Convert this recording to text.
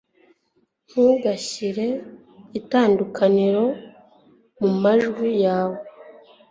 Ntugashyire itandukaniro mumajwi yawe